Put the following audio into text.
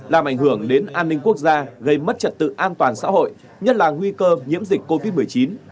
làm ảnh hưởng đến an ninh quốc gia gây mất trật tự an toàn xã hội nhất là nguy cơ nhiễm dịch covid một mươi chín